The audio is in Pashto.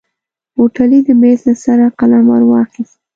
هوټلي د ميز له سره قلم ور واخيست.